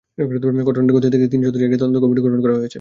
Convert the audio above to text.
ঘটনাটি খতিয়ে দেখতে তিন সদস্যের একটি তদন্ত কমিটিও গঠন করা হয়েছে।